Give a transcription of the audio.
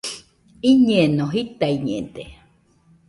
Iñeno.jitaiñede